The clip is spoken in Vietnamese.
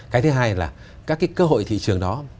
cái thứ hai là các cái cơ hội thị trường đó